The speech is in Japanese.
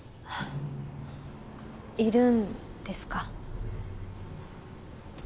いるんですか？